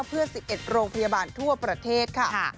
เพื่อ๑๑โรงพยาบาลทั่วประเทศค่ะ